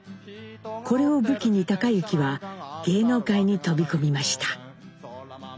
これを武器に隆之は芸能界に飛び込みました。